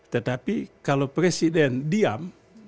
tetapi kalau presiden diam